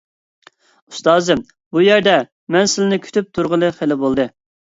ئۇستازىم، بۇ يەردە مەن سىلىنى كۈتۈپ تۇرغىلى خېلى بولدى.